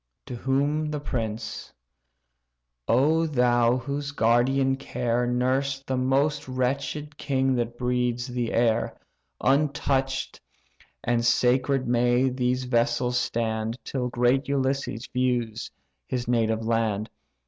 To whom the prince: "O thou whose guardian care Nursed the most wretched king that breathes the air; Untouch'd and sacred may these vessels stand, Till great Ulysses views his native land.